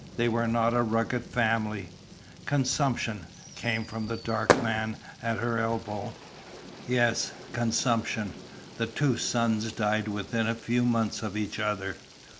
They were not a rugged family." "Consumption," came from the dark man at her elbow. "Yes, consumption. The two sons died within a few months of each other."